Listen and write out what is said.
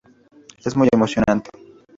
Es muy emocionante.